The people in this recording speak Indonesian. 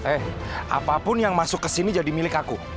eh apapun yang masuk kesini jadi milik aku